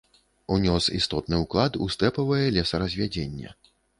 Унёс істотны ўклад у стэпавае лесаразвядзенне.